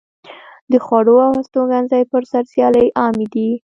د خوړو او هستوګنځي پر سر سیالۍ عامې دي.